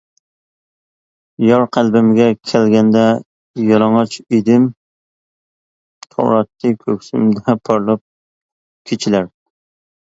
يار قەلبىمگە كەلگەندە يالىڭاچ ئىدىم تۇراتتى كۆكسۈمدە پارلاپ كېچىلەر.